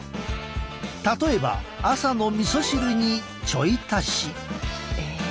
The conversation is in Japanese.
例えば朝のみそ汁にちょい足し。